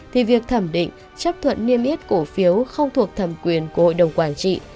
thì việc thẩm định chấp thuận niêm yết cổ phiếu không thuộc thẩm quyền của hội đồng quản trị